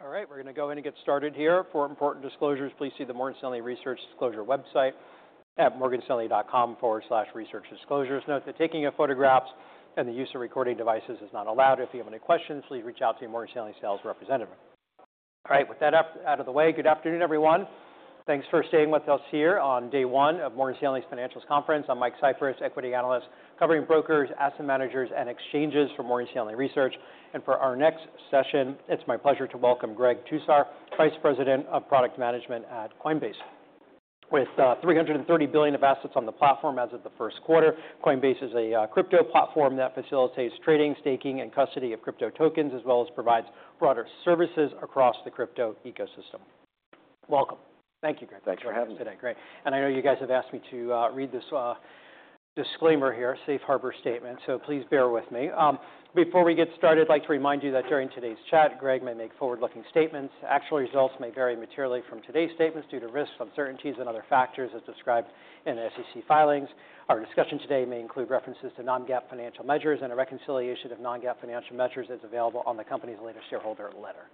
Ready. Ready. All right. We're going to go ahead and get started here. For important disclosures, please see the Morgan Stanley Research Disclosure website at morganstanley.com/researchdisclosures. Note that taking of photographs and the use of recording devices is not allowed. If you have any questions, please reach out to your Morgan Stanley sales representative. All right. With that out of the way, good afternoon, everyone. Thanks for staying with us here on day one of Morgan Stanley's financials conference. I'm Mike Cyprys, equity analyst covering brokers, asset managers, and exchanges for Morgan Stanley Research. And for our next session, it's my pleasure to welcome Greg Tusar, Vice President of Product Management at Coinbase. With $330 billion of assets on the platform as of the first quarter, Coinbase is a crypto platform that facilitates trading, staking, and custody of crypto tokens, as well as provides broader services across the crypto ecosystem. Welcome. Thank you, Greg. Thanks for having me. Today, Greg. I know you guys have asked me to read this disclaimer here, safe harbor statement. Please bear with me. Before we get started, I'd like to remind you that during today's chat, Greg may make forward-looking statements. Actual results may vary materially from today's statements due to risks, uncertainties, and other factors as described in the SEC filings. Our discussion today may include references to non-GAAP financial measures and a reconciliation of non-GAAP financial measures as available on the company's latest shareholder letter.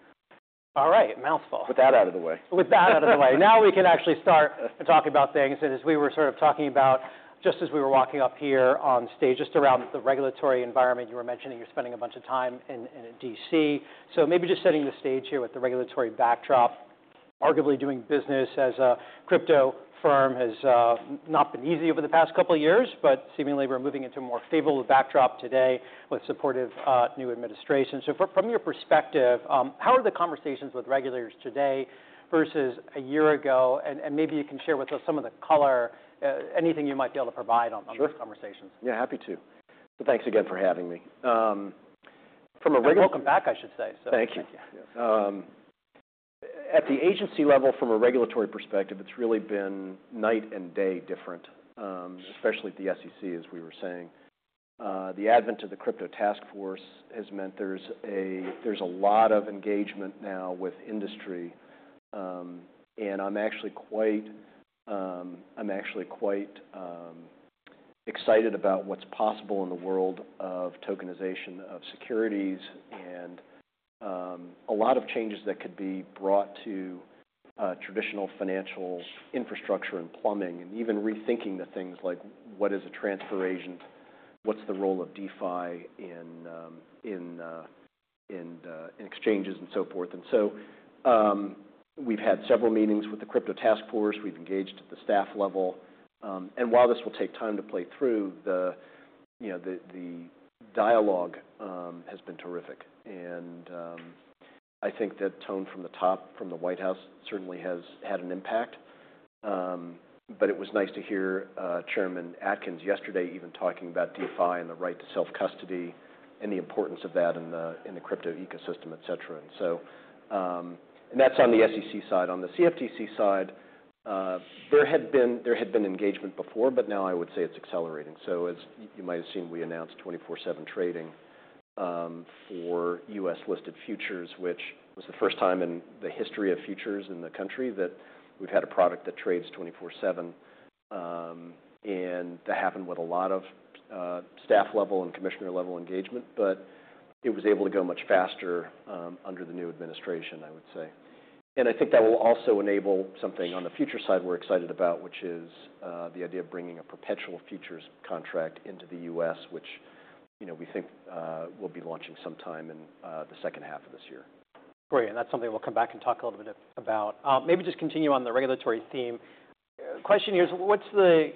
All right, mouthful. With that out of the way. With that out of the way, now we can actually start talking about things. As we were sort of talking about, just as we were walking up here on stage, just around the regulatory environment, you were mentioning you're spending a bunch of time in D.C. Maybe just setting the stage here with the regulatory backdrop, arguably doing business as a crypto firm has not been easy over the past couple of years, but seemingly we're moving into a more favorable backdrop today with supportive new administration. From your perspective, how are the conversations with regulators today versus a year ago? Maybe you can share with us some of the color, anything you might be able to provide on those conversations. Sure. Yeah, happy to. Thanks again for having me. Welcome back, I should say. Thank you. At the agency level, from a regulatory perspective, it's really been night and day different, especially at the SEC, as we were saying. The advent of the Crypto Task Force has meant there's a lot of engagement now with industry. I'm actually quite excited about what's possible in the world of tokenization of securities and a lot of changes that could be brought to traditional financial infrastructure and plumbing, and even rethinking the things like what is a transfer agent, what's the role of DeFi in exchanges, and so forth. We have had several meetings with the Crypto Task Force. We've engaged at the staff level. While this will take time to play through, the dialogue has been terrific. I think that tone from the top, from the White House, certainly has had an impact. It was nice to hear Chairman Atkins yesterday even talking about DeFi and the right to self-custody and the importance of that in the crypto ecosystem, et cetera. That is on the SEC side. On the CFTC side, there had been engagement before, but now I would say it is accelerating. As you might have seen, we announced 24/7 trading for US-listed futures, which was the first time in the history of futures in the country that we have had a product that trades 24/7. That happened with a lot of staff level and commissioner level engagement, but it was able to go much faster under the new administration, I would say. I think that will also enable something on the future side we're excited about, which is the idea of bringing a perpetual futures contract into the U.S., which we think we'll be launching sometime in the second half of this year. Great. That is something we will come back and talk a little bit about. Maybe just continue on the regulatory theme. The question here is, what is the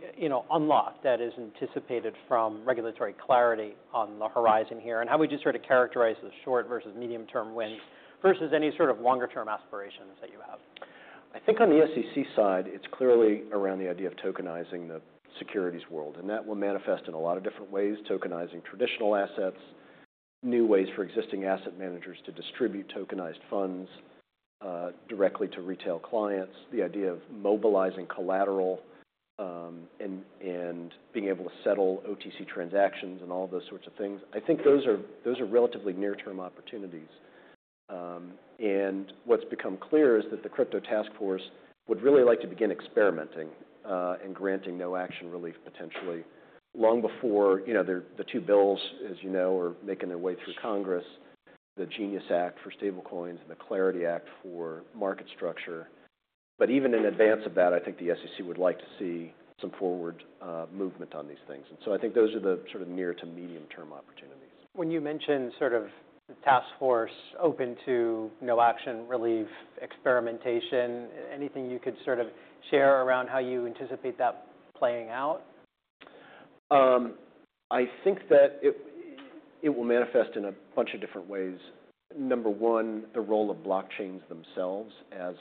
unlock that is anticipated from regulatory clarity on the horizon here? How would you sort of characterize the short versus medium-term wins versus any sort of longer-term aspirations that you have? I think on the SEC side, it's clearly around the idea of tokenizing the securities world. And that will manifest in a lot of different ways: tokenizing traditional assets, new ways for existing asset managers to distribute tokenized funds directly to retail clients, the idea of mobilizing collateral and being able to settle OTC transactions and all of those sorts of things. I think those are relatively near-term opportunities. And what's become clear is that the Crypto Task Force would really like to begin experimenting and granting no action relief potentially long before the two bills, as you know, are making their way through Congress, the GENIUS Act for stablecoins and the Clarity Act for market structure. Even in advance of that, I think the SEC would like to see some forward movement on these things. I think those are the sort of near to medium-term opportunities. When you mentioned sort of the task force open to no action relief experimentation, anything you could sort of share around how you anticipate that playing out? I think that it will manifest in a bunch of different ways. Number one, the role of blockchains themselves as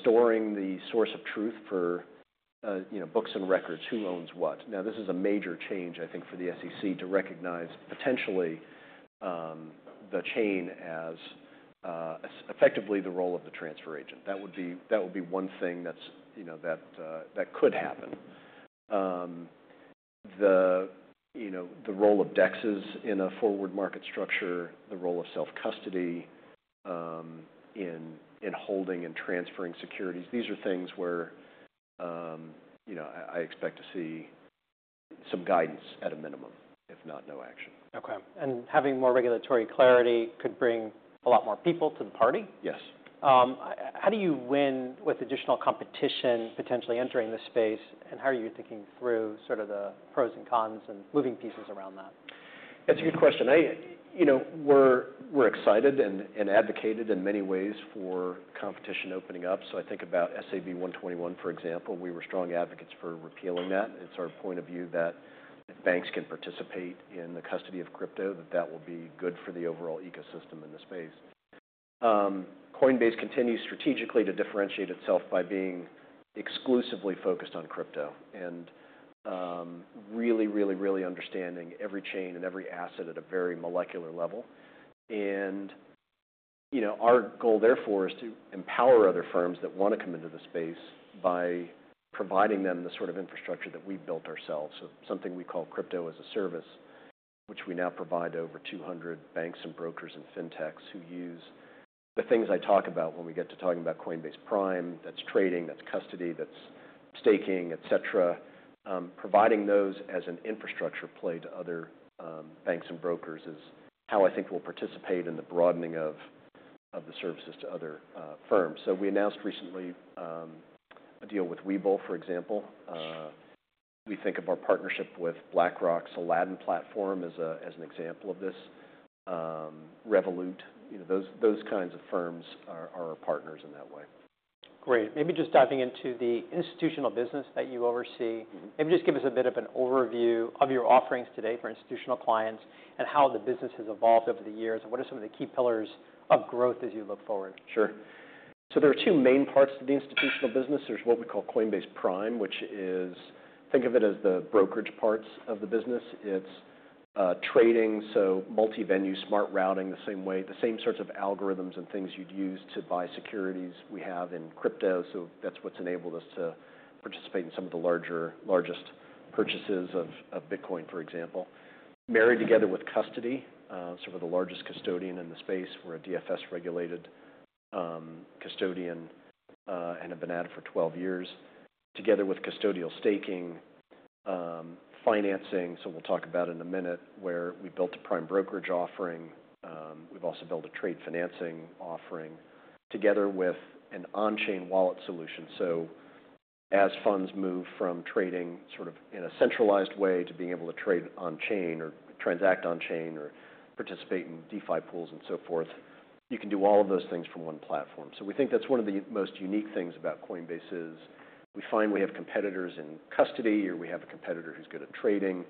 storing the source of truth for books and records, who owns what. Now, this is a major change, I think, for the SEC to recognize potentially the chain as effectively the role of the transfer agent. That would be one thing that could happen. The role of DEXs in a forward market structure, the role of self-custody in holding and transferring securities, these are things where I expect to see some guidance at a minimum, if not no action. Okay. Having more regulatory clarity could bring a lot more people to the party. Yes. How do you win with additional competition potentially entering the space? How are you thinking through sort of the pros and cons and moving pieces around that? That's a good question. We're excited and advocated in many ways for competition opening up. I think about SAB 121, for example. We were strong advocates for repealing that. It's our point of view that if banks can participate in the custody of crypto, that will be good for the overall ecosystem in the space. Coinbase continues strategically to differentiate itself by being exclusively focused on crypto and really, really, really understanding every chain and every asset at a very molecular level. Our goal, therefore, is to empower other firms that want to come into the space by providing them the sort of infrastructure that we've built ourselves. Something we call Crypto as a Service, which we now provide to over 200 banks and brokers and fintechs who use the things I talk about when we get to talking about Coinbase Prime, that's trading, that's custody, that's staking, et cetera. Providing those as an infrastructure play to other banks and brokers is how I think we'll participate in the broadening of the services to other firms. We announced recently a deal with Webull, for example. We think of our partnership with BlackRock's Aladdin platform as an example of this. Revolut, those kinds of firms are our partners in that way. Great. Maybe just diving into the institutional business that you oversee, maybe just give us a bit of an overview of your offerings today for institutional clients and how the business has evolved over the years and what are some of the key pillars of growth as you look forward. Sure. There are two main parts to the institutional business. There is what we call Coinbase Prime, which is, think of it as the brokerage parts of the business. It is trading, so multi-venue, smart routing, the same sorts of algorithms and things you would use to buy securities we have in crypto. That is what has enabled us to participate in some of the largest purchases of Bitcoin, for example. Married together with custody, sort of the largest custodian in the space. We are a DFS-regulated custodian and have been at it for 12 years. Together with custodial staking, financing, we will talk about it in a minute, where we built a prime brokerage offering. We have also built a trade financing offering together with an on-chain wallet solution. As funds move from trading sort of in a centralized way to being able to trade on-chain or transact on-chain or participate in DeFi pools and so forth, you can do all of those things from one platform. We think that's one of the most unique things about Coinbase is we find we have competitors in custody or we have a competitor who's good at trading,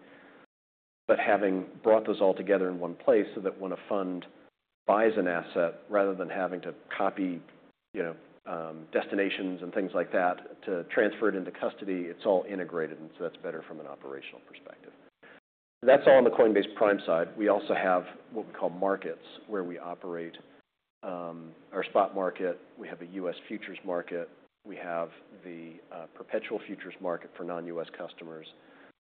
but having brought those all together in one place so that when a fund buys an asset, rather than having to copy destinations and things like that to transfer it into custody, it's all integrated. That's better from an operational perspective. That's all on the Coinbase Prime side. We also have what we call markets where we operate our spot market. We have a U.S. futures market. We have the perpetual futures market for non-U.S. customers.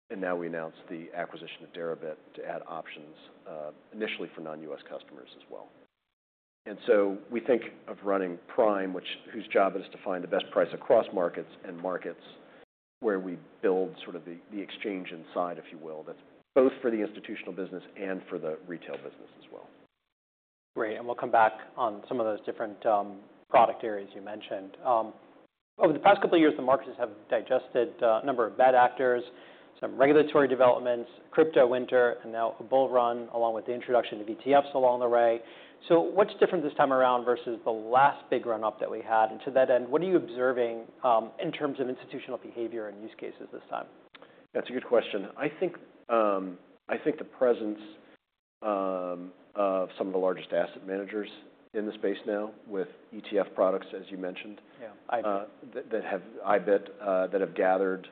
We announced the acquisition of Deribit to add options initially for non-U.S. customers as well. We think of running Prime, whose job it is to find the best price across markets and markets where we build sort of the exchange inside, if you will, that is both for the institutional business and for the retail business as well. Great. We'll come back on some of those different product areas you mentioned. Over the past couple of years, the markets have digested a number of bad actors, some regulatory developments, crypto winter, and now a bull run along with the introduction of ETFs along the way. What's different this time around versus the last big run-up that we had? To that end, what are you observing in terms of institutional behavior and use cases this time? That's a good question. I think the presence of some of the largest asset managers in the space now with ETF products, as you mentioned, that have IBIT that have gathered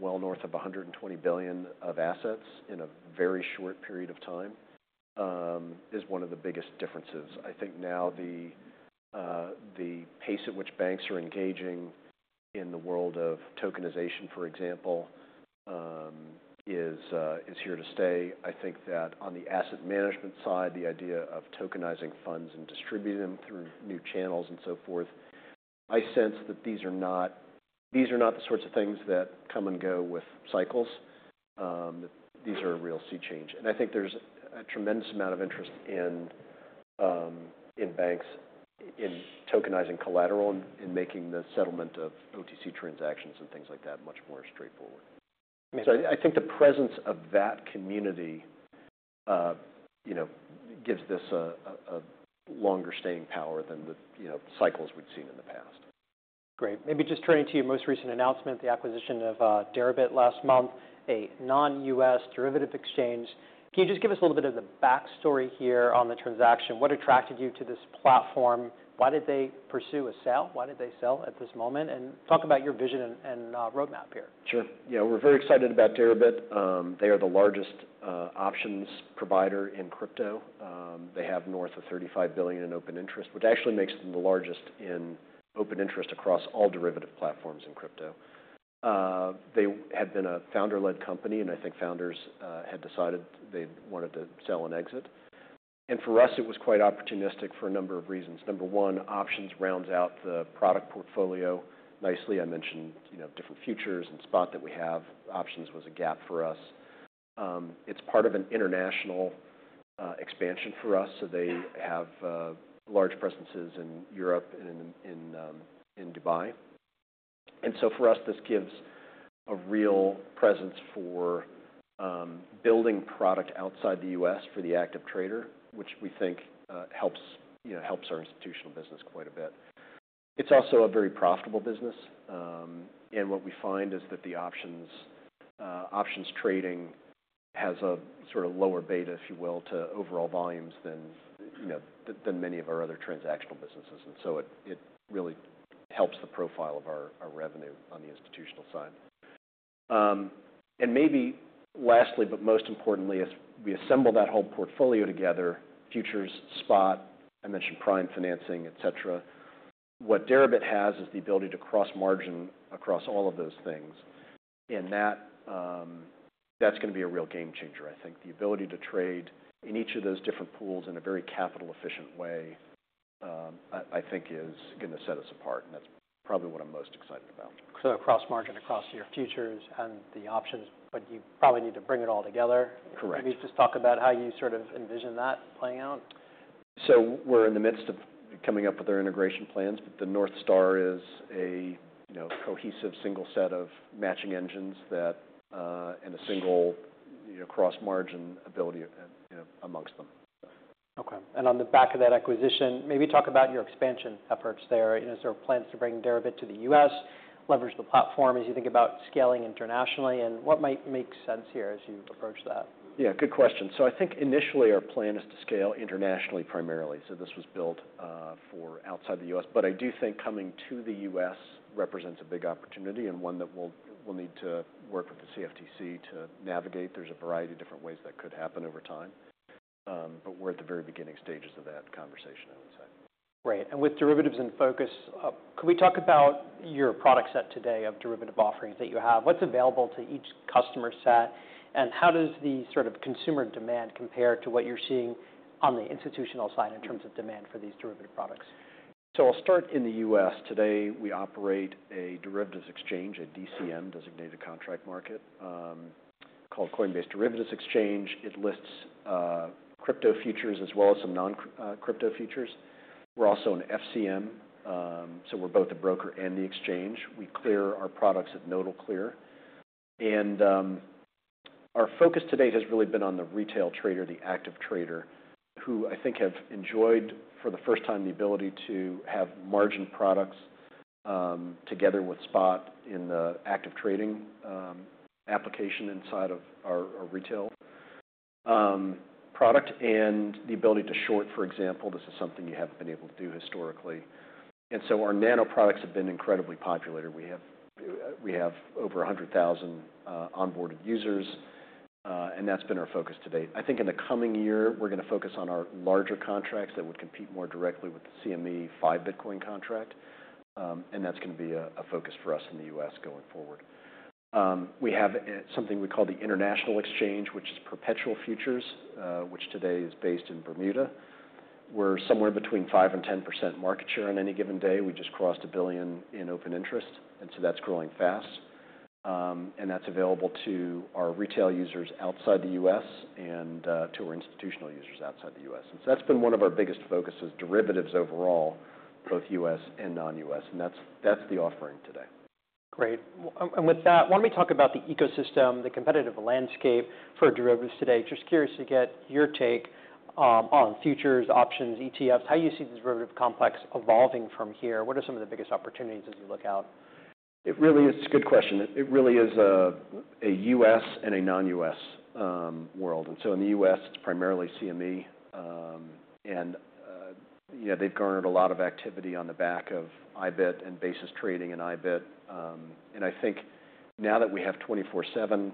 well north of $120 billion of assets in a very short period of time is one of the biggest differences. I think now the pace at which banks are engaging in the world of tokenization, for example, is here to stay. I think that on the asset management side, the idea of tokenizing funds and distributing them through new channels and so forth, I sense that these are not the sorts of things that come and go with cycles. These are a real sea change. I think there's a tremendous amount of interest in banks in tokenizing collateral and making the settlement of OTC transactions and things like that much more straightforward. I think the presence of that community gives this a longer staying power than the cycles we've seen in the past. Great. Maybe just turning to your most recent announcement, the acquisition of Deribit last month, a non-U.S. derivative exchange. Can you just give us a little bit of the backstory here on the transaction? What attracted you to this platform? Why did they pursue a sale? Why did they sell at this moment? Talk about your vision and roadmap here. Sure. Yeah, we're very excited about Deribit. They are the largest options provider in crypto. They have north of $35 billion in open interest, which actually makes them the largest in open interest across all derivative platforms in crypto. They had been a founder-led company, and I think founders had decided they wanted to sell and exit. For us, it was quite opportunistic for a number of reasons. Number one, options rounds out the product portfolio nicely. I mentioned different futures and spot that we have. Options was a gap for us. It is part of an international expansion for us. They have large presences in Europe and in Dubai. For us, this gives a real presence for building product outside the U.S. for the active trader, which we think helps our institutional business quite a bit. It is also a very profitable business. What we find is that the options trading has a sort of lower beta, if you will, to overall volumes than many of our other transactional businesses. It really helps the profile of our revenue on the institutional side. Maybe lastly, but most importantly, as we assemble that whole portfolio together, futures, spot, I mentioned prime financing, et cetera, what Deribit has is the ability to cross-margin across all of those things. That is going to be a real game changer, I think. The ability to trade in each of those different pools in a very capital-efficient way, I think, is going to set us apart. That is probably what I am most excited about. Cross-margin across your futures and the options, but you probably need to bring it all together. Correct. Can you just talk about how you sort of envision that playing out? We're in the midst of coming up with our integration plans, but the North Star is a cohesive single set of matching engines and a single cross-margin ability amongst them. Okay. On the back of that acquisition, maybe talk about your expansion efforts there, sort of plans to bring Deribit to the U.S., leverage the platform as you think about scaling internationally, and what might make sense here as you approach that? Yeah, good question. I think initially our plan is to scale internationally primarily. This was built for outside the U.S. I do think coming to the U.S. represents a big opportunity and one that we'll need to work with the CFTC to navigate. There are a variety of different ways that could happen over time. We're at the very beginning stages of that conversation, I would say. Great. With derivatives in focus, could we talk about your product set today of derivative offerings that you have? What's available to each customer set? How does the sort of consumer demand compare to what you're seeing on the institutional side in terms of demand for these derivative products? I'll start in the U.S. Today, we operate a derivatives exchange, a DCM-designated contract market called Coinbase Derivatives Exchange. It lists crypto futures as well as some non-crypto futures. We're also an FCM. We're both the broker and the exchange. We clear our products at Nodal Clear. Our focus today has really been on the retail trader, the active trader, who I think have enjoyed for the first time the ability to have margin products together with spot in the active trading application inside of our retail product and the ability to short, for example. This is something you haven't been able to do historically. Our nano products have been incredibly popular. We have over 100,000 onboarded users, and that's been our focus today. I think in the coming year, we're going to focus on our larger contracts that would compete more directly with the CME 5 Bitcoin contract. That's going to be a focus for us in the U.S. going forward. We have something we call the international exchange, which is perpetual futures, which today is based in Bermuda. We're somewhere between 5% and 10% market share on any given day. We just crossed $1 billion in open interest. That's growing fast. That's available to our retail users outside the U.S. and to our institutional users outside the U.S. That's been one of our biggest focuses, derivatives overall, both U.S. and non-U.S. That's the offering today. Great. With that, why do not we talk about the ecosystem, the competitive landscape for derivatives today? Just curious to get your take on futures, options, ETFs. How do you see the derivative complex evolving from here? What are some of the biggest opportunities as you look out? It really is a good question. It really is a U.S. and a non-U.S. world. In the U.S., it's primarily CME. They've garnered a lot of activity on the back of IBIT and basis trading in IBIT. I think now that we have 24/7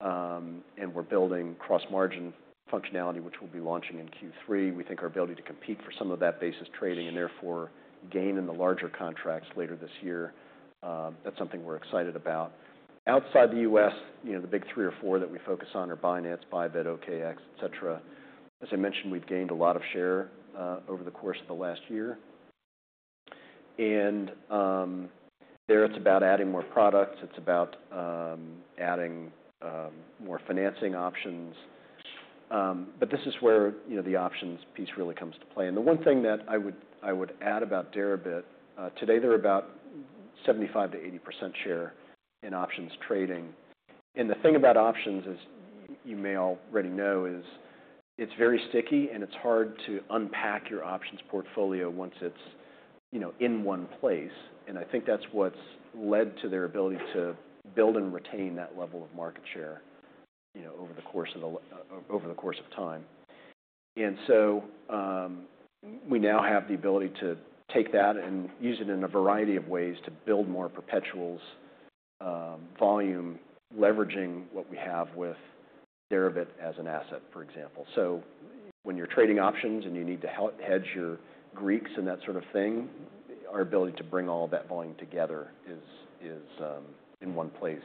and we're building cross-margin functionality, which we'll be launching in Q3, we think our ability to compete for some of that basis trading and therefore gain in the larger contracts later this year, that's something we're excited about. Outside the U.S., the big three or four that we focus on are Binance, Bybit, OKX, et cetera. As I mentioned, we've gained a lot of share over the course of the last year. There, it's about adding more products. It's about adding more financing options. This is where the options piece really comes to play. The one thing that I would add about Deribit, today they're about 75-80% share in options trading. The thing about options, as you may already know, is it's very sticky and it's hard to unpack your options portfolio once it's in one place. I think that's what's led to their ability to build and retain that level of market share over the course of time. We now have the ability to take that and use it in a variety of ways to build more perpetuals volume, leveraging what we have with Deribit as an asset, for example. When you're trading options and you need to hedge your Greeks and that sort of thing, our ability to bring all of that volume together is in one place,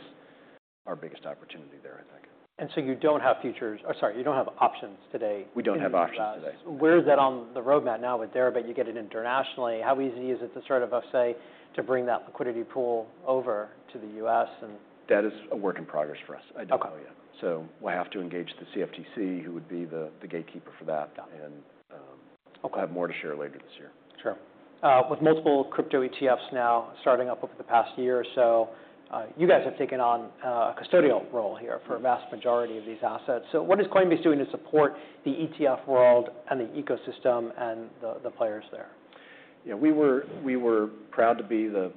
our biggest opportunity there, I think. You don't have futures or sorry, you don't have options today. We don't have options today. Where is that on the roadmap now with Deribit? You get it internationally. How easy is it to sort of, say, to bring that liquidity pool over to the U.S.? That is a work in progress for us, I do tell you. We'll have to engage the CFTC, who would be the gatekeeper for that. I'll have more to share later this year. Sure. With multiple crypto ETFs now starting up over the past year or so, you guys have taken on a custodial role here for a vast majority of these assets. What is Coinbase doing to support the ETF world and the ecosystem and the players there? Yeah, we were proud to be the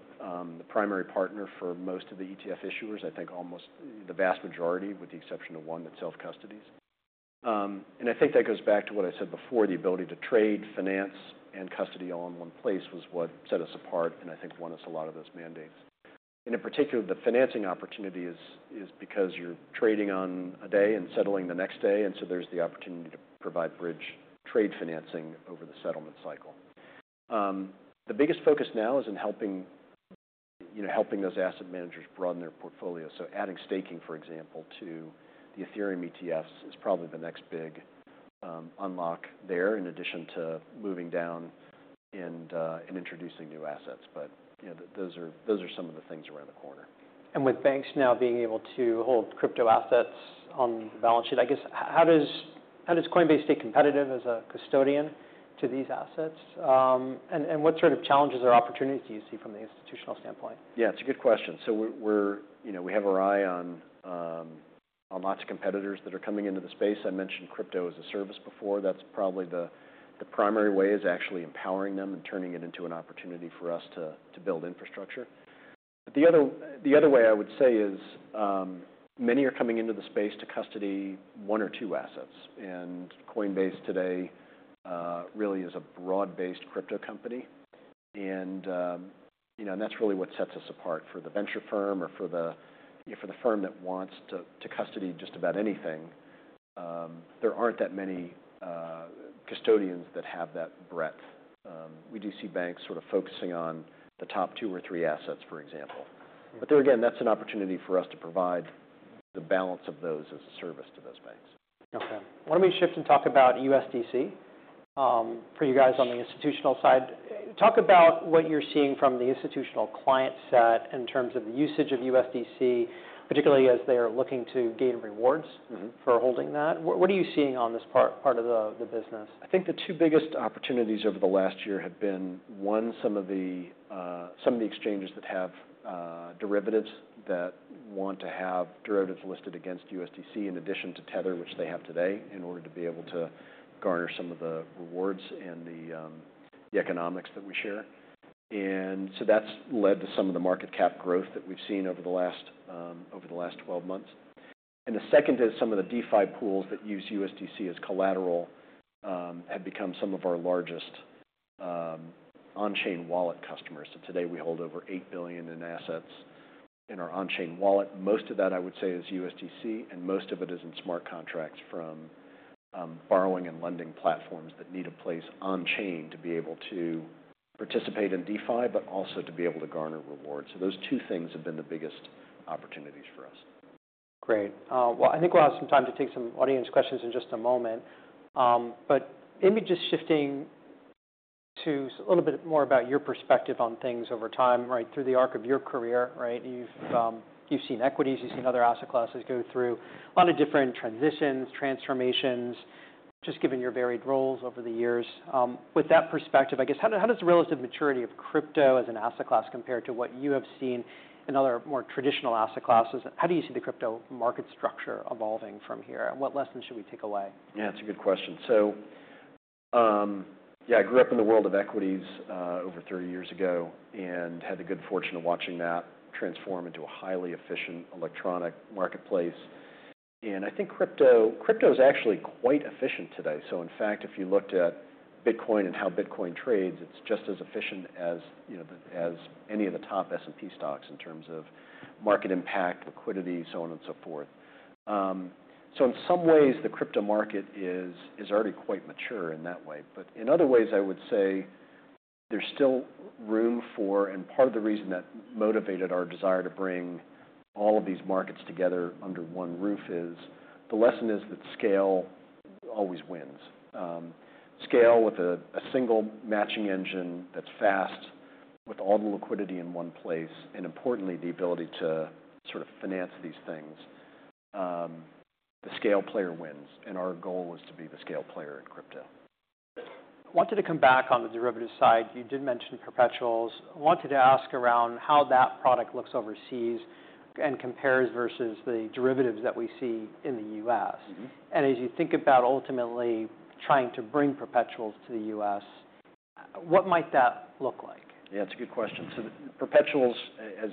primary partner for most of the ETF issuers, I think almost the vast majority, with the exception of one that self-custodies. I think that goes back to what I said before, the ability to trade, finance, and custody all in one place was what set us apart and I think won us a lot of those mandates. In particular, the financing opportunity is because you're trading on a day and settling the next day. There is the opportunity to provide bridge trade financing over the settlement cycle. The biggest focus now is in helping those asset managers broaden their portfolio. Adding staking, for example, to the Ethereum ETFs is probably the next big unlock there in addition to moving down and introducing new assets. Those are some of the things around the corner. With banks now being able to hold crypto assets on the balance sheet, I guess, how does Coinbase stay competitive as a custodian to these assets? What sort of challenges or opportunities do you see from the institutional standpoint? Yeah, it's a good question. We have our eye on lots of competitors that are coming into the space. I mentioned Crypto as a Service before. That's probably the primary way is actually empowering them and turning it into an opportunity for us to build infrastructure. The other way I would say is many are coming into the space to custody one or two assets. Coinbase today really is a broad-based crypto company. That's really what sets us apart for the venture firm or for the firm that wants to custody just about anything. There aren't that many custodians that have that breadth. We do see banks sort of focusing on the top two or three assets, for example. There again, that's an opportunity for us to provide the balance of those as a service to those banks. Okay. Why don't we shift and talk about USDC for you guys on the institutional side? Talk about what you're seeing from the institutional client set in terms of the usage of USDC, particularly as they are looking to gain rewards for holding that. What are you seeing on this part of the business? I think the two biggest opportunities over the last year have been, one, some of the exchanges that have derivatives that want to have derivatives listed against USDC in addition to Tether, which they have today in order to be able to garner some of the rewards and the economics that we share. That has led to some of the market cap growth that we've seen over the last 12 months. The second is some of the DeFi pools that use USDC as collateral have become some of our largest on-chain wallet customers. Today we hold over $8 billion in assets in our on-chain wallet. Most of that, I would say, is USDC, and most of it is in smart contracts from borrowing and lending platforms that need a place on-chain to be able to participate in DeFi, but also to be able to garner rewards. Those two things have been the biggest opportunities for us. Great. I think we'll have some time to take some audience questions in just a moment. Maybe just shifting to a little bit more about your perspective on things over time, right, through the arc of your career, right? You've seen equities, you've seen other asset classes go through a lot of different transitions, transformations, just given your varied roles over the years. With that perspective, I guess, how does the relative maturity of crypto as an asset class compare to what you have seen in other more traditional asset classes? How do you see the crypto market structure evolving from here? What lessons should we take away? Yeah, that's a good question. Yeah, I grew up in the world of equities over 30 years ago and had the good fortune of watching that transform into a highly efficient electronic marketplace. I think crypto is actually quite efficient today. In fact, if you looked at Bitcoin and how Bitcoin trades, it's just as efficient as any of the top S&P stocks in terms of market impact, liquidity, so on and so forth. In some ways, the crypto market is already quite mature in that way. In other ways, I would say there's still room for, and part of the reason that motivated our desire to bring all of these markets together under one roof is the lesson is that scale always wins. Scale with a single matching engine that's fast, with all the liquidity in one place, and importantly, the ability to sort of finance these things, the scale player wins. Our goal is to be the scale player in crypto. I wanted to come back on the derivatives side. You did mention perpetuals. I wanted to ask around how that product looks overseas and compares versus the derivatives that we see in the U.S. As you think about ultimately trying to bring perpetuals to the U.S., what might that look like? Yeah, that's a good question. Perpetuals, as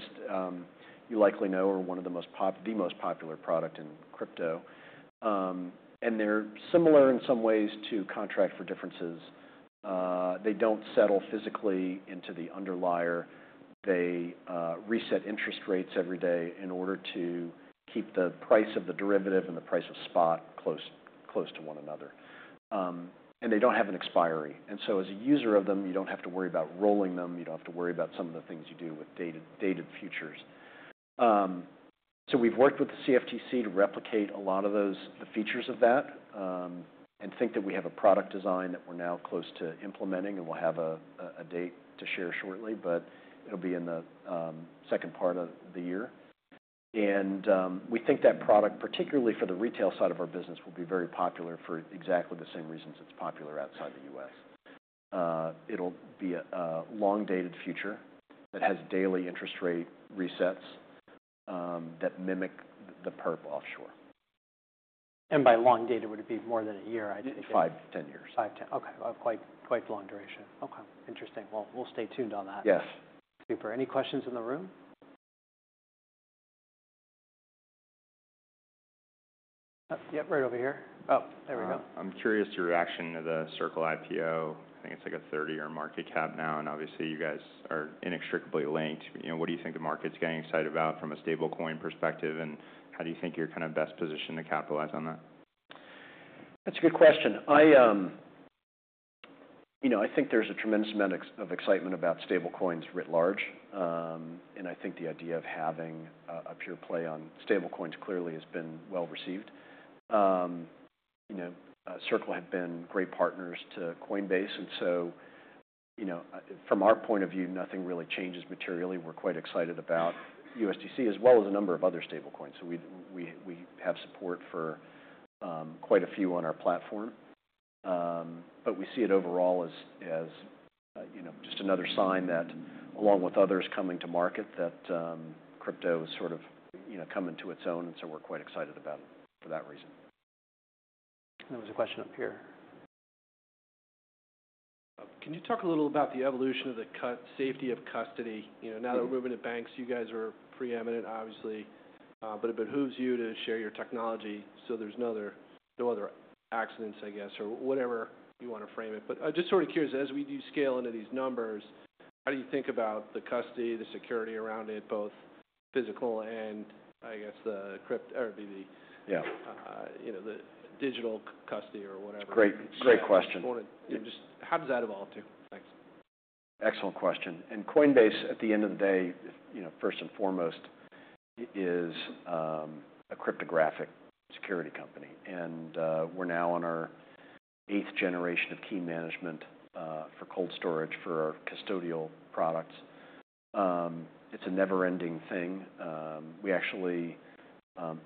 you likely know, are one of the most popular products in crypto. They're similar in some ways to contract for differences. They don't settle physically into the underlier. They reset interest rates every day in order to keep the price of the derivative and the price of spot close to one another. They don't have an expiry. As a user of them, you don't have to worry about rolling them. You don't have to worry about some of the things you do with dated futures. We've worked with the CFTC to replicate a lot of the features of that and think that we have a product design that we're now close to implementing. We'll have a date to share shortly, but it'll be in the second part of the year. We think that product, particularly for the retail side of our business, will be very popular for exactly the same reasons it's popular outside the U.S. It'll be a long-dated future that has daily interest rate resets that mimic the perp offshore. By long-dated, would it be more than a year, I take it? Maybe five to ten years. Five to ten. Okay. Quite long duration. Okay. Interesting. We'll stay tuned on that. Yes. Super. Any questions in the room? Yep, right over here. Oh, there we go. I'm curious your reaction to the Circle IPO. I think it's like a $30 billion market cap now. Obviously, you guys are inextricably linked. What do you think the market's getting excited about from a stablecoin perspective? How do you think you're kind of best positioned to capitalize on that? That's a good question. I think there's a tremendous amount of excitement about stablecoins writ large. I think the idea of having a pure play on stablecoins clearly has been well received. Circle have been great partners to Coinbase. From our point of view, nothing really changes materially. We're quite excited about USDC, as well as a number of other stablecoins. We have support for quite a few on our platform. We see it overall as just another sign that, along with others coming to market, crypto is sort of coming to its own. We're quite excited about it for that reason. There was a question up here. Can you talk a little about the evolution of the safety of custody? Now that we're moving to banks, you guys are preeminent, obviously, but it behooves you to share your technology. There are no other accidents, I guess, or whatever you want to frame it. I am just sort of curious, as we do scale into these numbers, how do you think about the custody, the security around it, both physical and, I guess, the digital custody or whatever? Great question. Just how does that evolve too? Thanks. Excellent question. Coinbase, at the end of the day, first and foremost, is a cryptographic security company. We are now on our eighth generation of key management for cold storage for our custodial products. It is a never-ending thing. We actually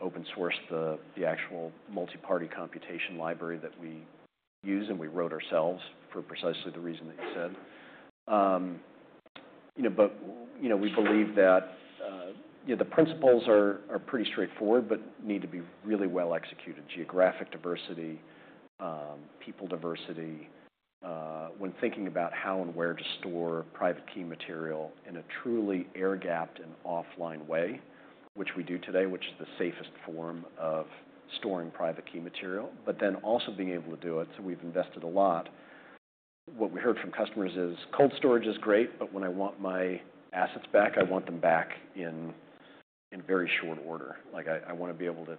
open-sourced the actual multi-party computation library that we use, and we wrote ourselves for precisely the reason that you said. We believe that the principles are pretty straightforward, but need to be really well executed: geographic diversity, people diversity. When thinking about how and where to store private key material in a truly air-gapped and offline way, which we do today, which is the safest form of storing private key material, but then also being able to do it. We have invested a lot. What we heard from customers is cold storage is great, but when I want my assets back, I want them back in very short order. I want to be able to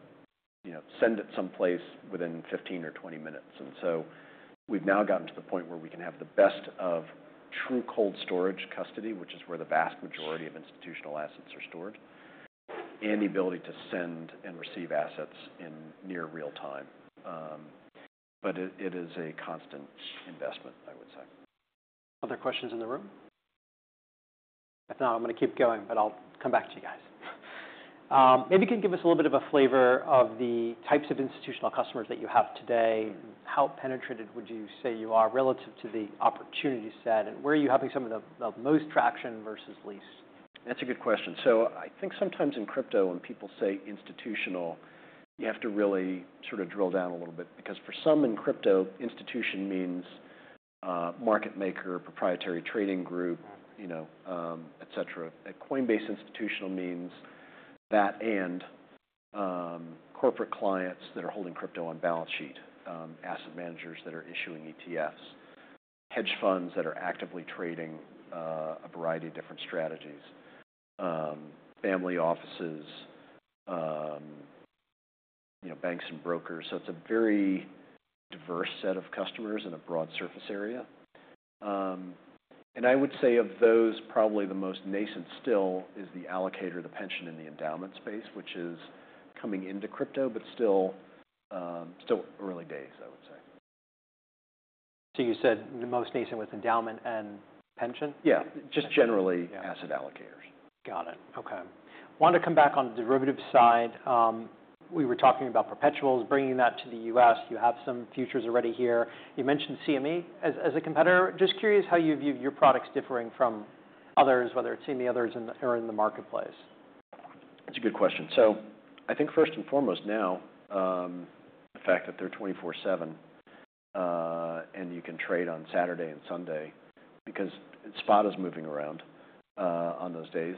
send it someplace within 15 or 20 minutes. We have now gotten to the point where we can have the best of true cold storage custody, which is where the vast majority of institutional assets are stored, and the ability to send and receive assets in near real time. It is a constant investment, I would say. Other questions in the room? If not, I'm going to keep going, but I'll come back to you guys. Maybe you can give us a little bit of a flavor of the types of institutional customers that you have today. How penetrated would you say you are relative to the opportunity set? Where are you having some of the most traction versus least? That's a good question. I think sometimes in crypto, when people say institutional, you have to really sort of drill down a little bit because for some in crypto, institutional means market maker, proprietary trading group, etc. At Coinbase, institutional means that and corporate clients that are holding crypto on balance sheet, asset managers that are issuing ETFs, hedge funds that are actively trading a variety of different strategies, family offices, banks, and brokers. It is a very diverse set of customers in a broad surface area. I would say of those, probably the most nascent still is the allocator, the pension and the endowment space, which is coming into crypto, but still early days, I would say. You said the most nascent was endowment and pension? Yeah. Just generally asset allocators. Got it. Okay. I want to come back on the derivatives side. We were talking about perpetuals, bringing that to the U.S. You have some futures already here. You mentioned CME as a competitor. Just curious how you view your products differing from others, whether it's in the others or in the marketplace. That's a good question. I think first and foremost now, the fact that they're 24/7 and you can trade on Saturday and Sunday because spot is moving around on those days.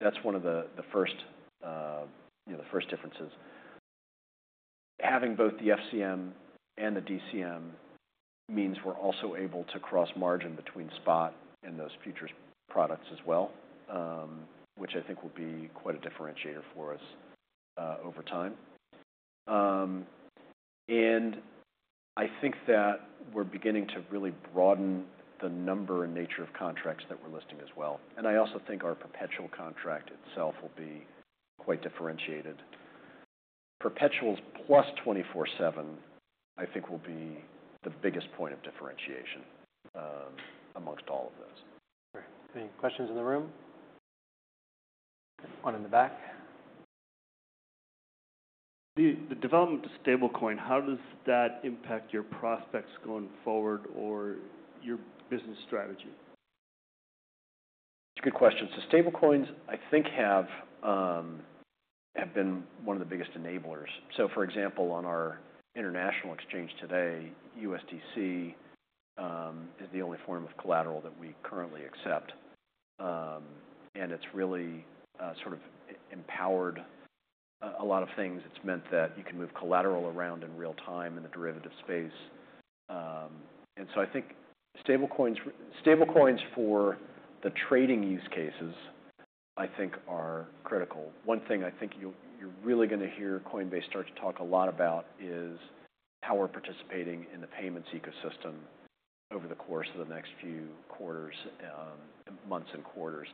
That's one of the first differences. Having both the FCM and the DCM means we're also able to cross margin between spot and those futures products as well, which I think will be quite a differentiator for us over time. I think that we're beginning to really broaden the number and nature of contracts that we're listing as well. I also think our perpetual contract itself will be quite differentiated. Perpetuals plus 24/7, I think, will be the biggest point of differentiation amongst all of those. Okay. Any questions in the room? One in the back. The development of stablecoin, how does that impact your prospects going forward or your business strategy? That's a good question. Stablecoins, I think, have been one of the biggest enablers. For example, on our international exchange today, USDC is the only form of collateral that we currently accept. It has really sort of empowered a lot of things. It has meant that you can move collateral around in real time in the derivative space. I think stablecoins for the trading use cases are critical. One thing I think you're really going to hear Coinbase start to talk a lot about is how we're participating in the payments ecosystem over the course of the next few months and quarters.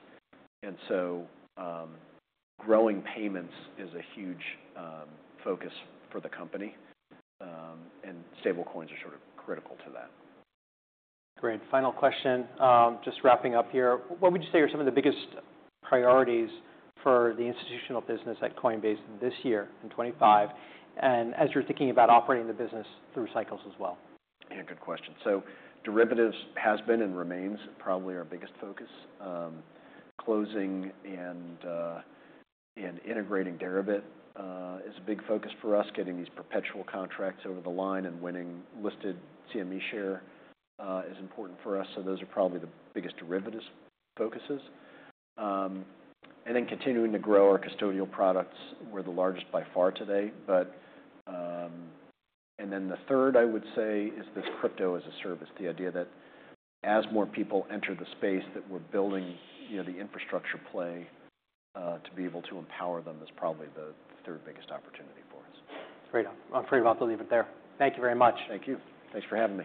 Growing payments is a huge focus for the company. Stablecoins are sort of critical to that. Great. Final question. Just wrapping up here. What would you say are some of the biggest priorities for the institutional business at Coinbase this year in 2025? And as you're thinking about operating the business through cycles as well. Yeah, good question. Derivatives has been and remains probably our biggest focus. Closing and integrating Deribit is a big focus for us. Getting these perpetual contracts over the line and winning listed CME share is important for us. Those are probably the biggest derivatives focuses. Continuing to grow our custodial products, we're the largest by far today. The third, I would say, is this crypto as a service. The idea that as more people enter the space, that we're building the infrastructure play to be able to empower them is probably the third biggest opportunity for us. Great. I'm afraid I have to leave it there. Thank you very much. Thank you. Thanks for having me.